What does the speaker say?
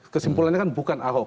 kesimpulannya kan bukan ahok